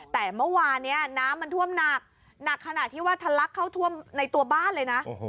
แต่เมื่อวานนี้น้ำมันท่วมหนักหนักขนาดที่ว่าทะลักเข้าท่วมในตัวบ้านเลยนะ